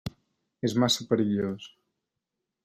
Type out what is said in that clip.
És massa perillós.